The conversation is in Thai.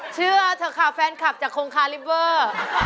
เชื่อเธอขาวแฟนคลับจากโครงคาริเวอร์